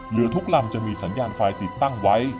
หรือทุกลำจะมีสัญญาณไฟติดตั้งไว้